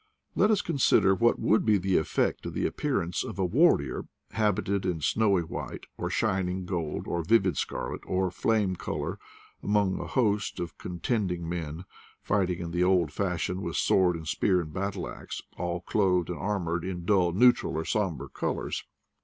Let us consider what would be the effect of the appear ance of a warrior, habited in snowy white, or shining gold, or vivid scarlet, or flame color, among a host of contending men, fighting in the old fashion with sword and spear and battle ax, all clothed and armored in dull neutral or somber colors.